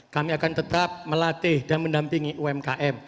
kami akan tetap melatih dan mendampingi umkm